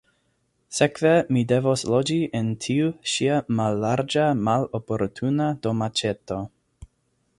Sekve mi devos loĝi en tiu ŝia mallarĝa maloportuna domaĉeto.